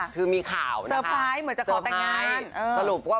คือมีข่าวนะคะ